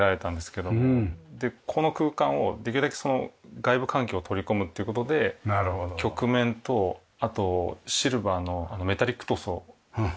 この空間をできるだけその外部環境を取り込むって事で曲面とあとシルバーのメタリック塗装を選定されて。